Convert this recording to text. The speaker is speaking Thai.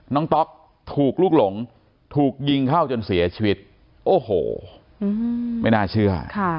ต๊อกถูกลุกหลงถูกยิงเข้าจนเสียชีวิตโอ้โหไม่น่าเชื่อ